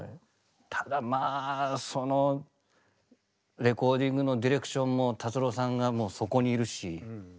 ただまあそのレコーディングのディレクションも達郎さんがもうそこにいるし。